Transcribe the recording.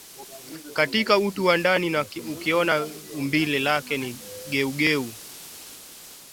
katika utu wa ndani na ukiona umbile lako ni geugeu panda juu yako Lakini